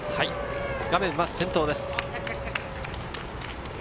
画面は先頭です。